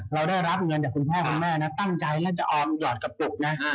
เราได้รับเงินจากคุณพ่อคุณแม่นะตั้งใจแล้วจะออมหยอดกระปุกนะ